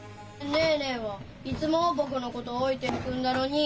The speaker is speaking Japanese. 姉えはいつも僕のこと置いていくんだのに。